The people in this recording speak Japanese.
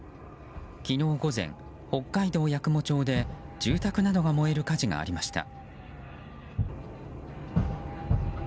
昨日午前、北海道八雲町で住宅などが燃える火事がありました。